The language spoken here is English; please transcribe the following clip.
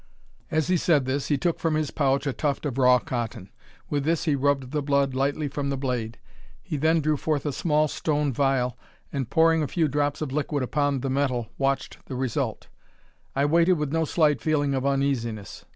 As he said this, he took from his pouch a tuft of raw cotton. With this he rubbed the blood lightly from the blade. He then drew forth a small stone phial, and, pouring a few drops of liquid upon the metal, watched the result. I waited with no slight feeling of uneasiness.